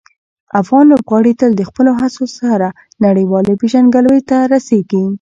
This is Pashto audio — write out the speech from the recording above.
افغان لوبغاړي تل د خپلو هڅو سره نړیوالې پېژندګلوۍ ته رسېږي.